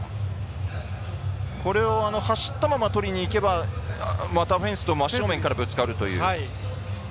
これは走ったままとりにいけばまたフェンスと真正面からぶつかるという。